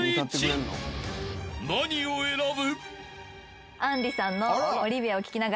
［何を選ぶ？］